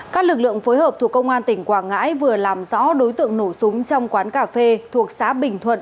các lực lượng phối hợp thuộc công an tỉnh quảng ngãi vừa làm rõ đối tượng nổ súng trong quán cà phê thuộc xã bình thuận